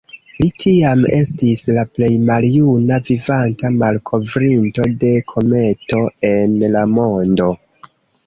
Li tiam estis la plej maljuna vivanta malkovrinto de kometo en la mondo.